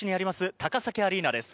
高崎アリーナです。